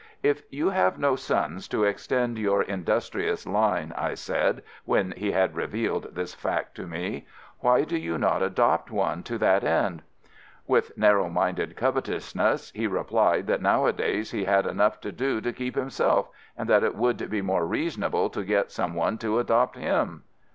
"If you have no sons to extend your industrious line," I said, when he had revealed this fact to me, "why do you not adopt one to that end?" With narrow minded covetousness, he replied that nowadays he had enough to do to keep himself, and that it would be more reasonable to get some one to adopt HIM.